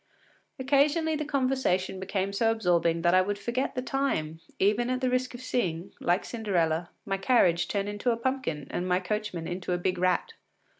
Occasionally the conversation became so absorbing that I would forget the time, even at the risk of seeing, like Cinderella, my carriage turn into a pumpkin and my coachman into a big rat.